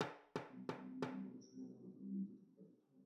নানান সময়ে আমরা নানা ধরনে দাতব্য কাজে অর্থ তুলতে সহায়তা করি।